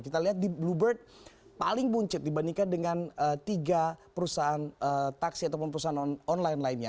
kita lihat di bluebird paling buncit dibandingkan dengan tiga perusahaan taksi ataupun perusahaan online lainnya